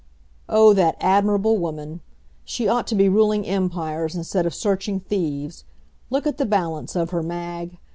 Oh, that admirable woman! She ought to be ruling empires instead of searching thieves. Look at the balance of her, Mag.